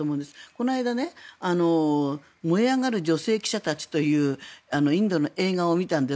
この間「燃え上がる女性記者たち」というインドの映画を見たんです